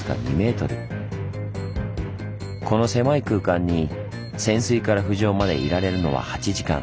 この狭い空間に潜水から浮上までいられるのは８時間。